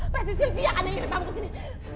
pasti sylvia yang ngirim kamu ke sini